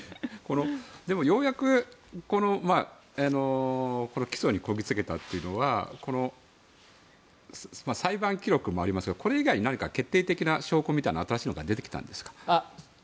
でも、ようやく起訴にこぎつけたというのは裁判記録もありますがこれ以外に何か決定的に証拠とか新しいのが出てきたんですか。